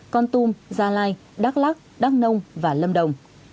con tum gia lai đắk lắc đắk nông và lâm đồng